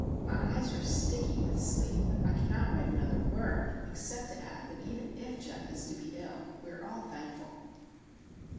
My eyes are sticky with sleep. I cannot write another word, except to add that even if Geof is to be ill, we are all thankful!